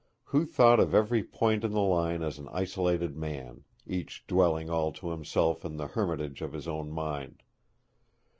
Who thought of every point in the line as an isolated man, each dwelling all to himself in the hermitage of his own mind?